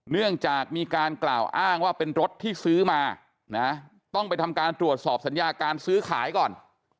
เนื่องจากมีการกล่าวอ้างว่าเป็นรถที่ซื้อมานะต้องไปทำการตรวจสอบสัญญาการซื้อขายก่อน